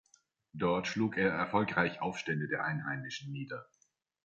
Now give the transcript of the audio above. Dort schlug er erfolgreich Aufstände der Einheimischen nieder.